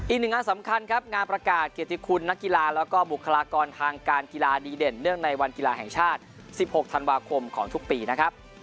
อีกหนึ่งงานสำคัญครับงานประกาศเกียรติคุณนักกีฬาแล้วก็บุคลากรทางการกีฬาดีเด่นเนื่องในวันกีฬาแห่งชาติ๑๖ธันวาคมของทุกปีนะครับ